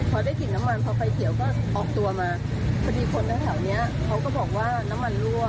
พอได้กลิ่นน้ำมันพอไฟเขียวก็ออกตัวมาพอดีคนแถวเนี้ยเขาก็บอกว่าน้ำมันรั่ว